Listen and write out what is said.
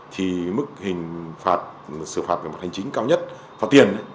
thì mức hình phạt xử phạt về mặt hành chính cao nhất phạt tiền